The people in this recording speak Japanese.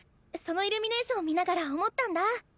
そのイルミネーション見ながら思ったんだ。